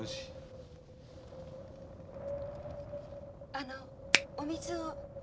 あのお水を。